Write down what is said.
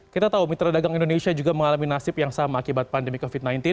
kita tahu mitra dagang indonesia juga mengalami nasib yang sama akibat pandemi covid sembilan belas